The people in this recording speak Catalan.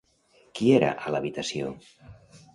Qui era a l'habitació?